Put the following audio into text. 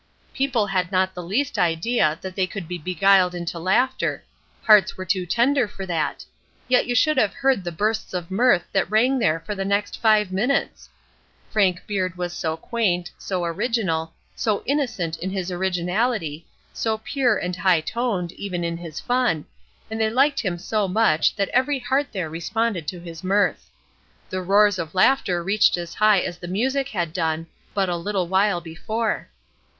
People had not the least idea that they could be beguiled into laughter; hearts were too tender for that; yet you should have heard the bursts of mirth that rang there for the next five minutes! Frank Beard was so quaint, so original, so innocent in his originality, so pure and high toned, even in his fun, and they liked him so much that every heart there responded to his mirth. The roars of laughter reached as high as the music had done, but a little while before.